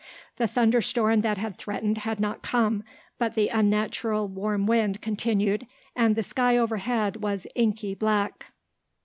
The thunder storm that had threatened had not come, but the unnatural warm wind continued and the sky overhead was inky black.